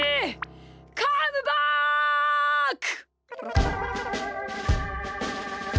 カムバック！